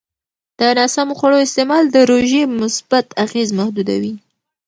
د ناسمو خوړو استعمال د روژې مثبت اغېز محدودوي.